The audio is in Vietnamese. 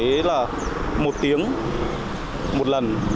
rất là một tiếng một lần